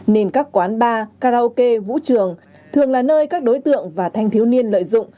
nên các quán bar karaoke vũ trường thường là nơi các đối tượng và thanh thiếu niên lợi dụng